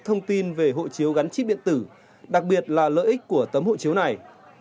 thông tin về hộ chiếu gắn chip điện tử đặc biệt là lợi ích của tấm hộ chiếu này